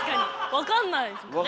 わかんないですもんね。